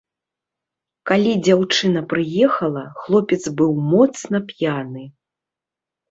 Калі дзяўчына прыехала, хлопец быў моцна п'яны.